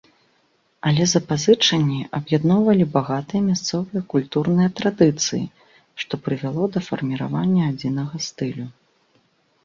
Але запазычанні аб'ядноўвалі багатыя мясцовыя культурныя традыцыі, што прывяло да фарміравання адзінага стылю.